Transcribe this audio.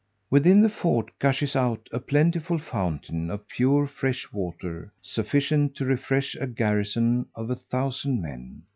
Within the fort gushes out a plentiful fountain of pure fresh water, sufficient to refresh a garrison of a thousand men.